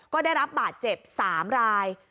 ก็ได้รับบาดเจ็บ๓ราย